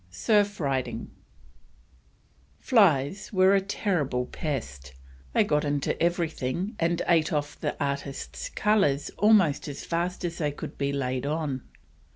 SURF RIDING. Flies were a terrible pest; they got into everything, and ate off the artist's colours almost as fast as they were laid on.